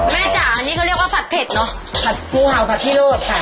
จ๋าอันนี้ก็เรียกว่าผัดเผ็ดเนอะผัดงูเห่าผัดขี้โรดค่ะ